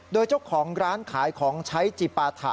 โดยเจ้าของร้านขายของใช้จิปาถะ